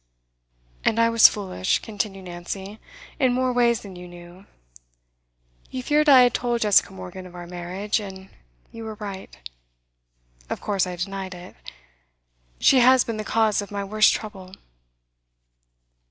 'And I was foolish,' continued Nancy, 'in more ways than you knew. You feared I had told Jessica Morgan of our marriage, and you were right; of course I denied it. She has been the cause of my worst trouble.